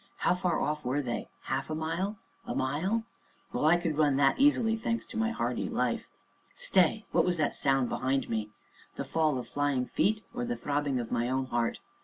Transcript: How far off were they? half a mile, a mile? well, I could run that easily, thanks to my hardy life. Stay! what was that sound behind me the fall of flying feet, or the throbbing of my own heart?